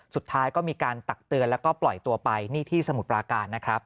สุดท้ายก็มีการตักเตือนแล้วก็ปล่อยตัวไปนี่ที่สมุทรปราการนะครับ